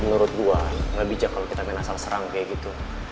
menurut gua gak bijak kalau kita main asal serang kayak gitu